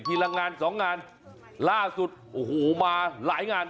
ทีละงาน๒งานล่าสุดมาหลายงาน